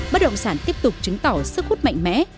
bất động sản tiếp tục chứng tỏ sức hút mạnh mẽ